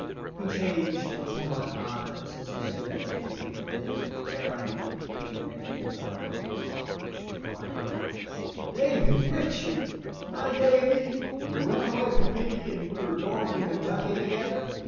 He changed before my eyes as he stared at me, and then, ere I knew it, he had me by both arms, crying out: "David Ritchie! My Davy who ran away from me and we were going to Kentucky together.